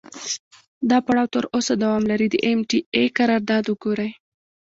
دا پړاو تر اوسه دوام لري، د ام ټي اې قرارداد وګورئ.